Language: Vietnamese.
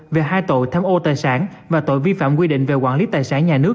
về hai tội tham ô tài sản và tội vi phạm quy định về quản lý tài sản nhà nước